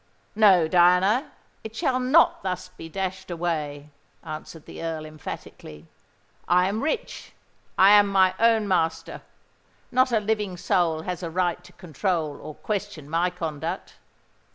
"No, Diana—it shall not be thus dashed away," answered the Earl, emphatically. "I am rich—I am my own master: not a living soul has a right to control or question my conduct.